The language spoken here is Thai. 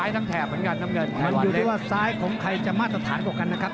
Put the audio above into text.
แล้วมีแข้งซ้ายสลับไปเรื่อยครับ